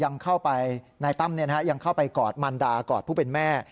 ยังเข้าไปนายตั้มยังเข้าไปกอดมันดากอดผู้เป็นแม่